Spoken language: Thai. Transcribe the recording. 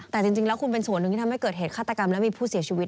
แต่จริงแล้วคุณเป็นส่วนหนึ่งที่ทำให้เกิดเหตุฆาตกรรมและมีผู้เสียชีวิต